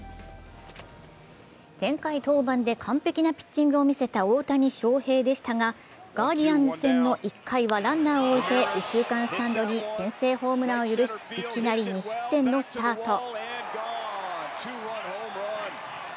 前回登板で完璧なピッチングを見せた大谷翔平でしたが、ガーディアンズ戦の１回はランナーを置いて右中間スタンドの先制ホームランを許し、いきなり２失点のスタート。